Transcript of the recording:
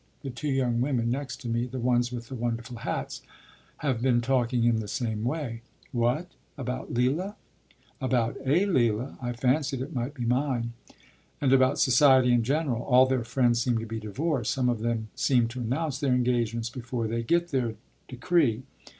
The two young women next to me the ones with the wonderful hats have been talking in the same way.” “What? About Leila?” “About a Leila; I fancied it might be mine. And about society in general. All their friends seem to be divorced; some of them seem to announce their engagements before they get their decree.